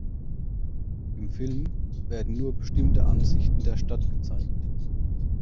Im Film werden nur bestimmte Ansichten der Stadt gezeigt.